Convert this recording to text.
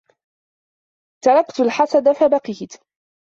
تَرَكْتُ الْحَسَدَ فَبَقِيتُ